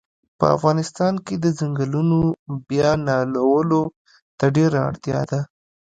په افغانستان کښی د ځنګلونو بیا نالولو ته ډیره اړتیا ده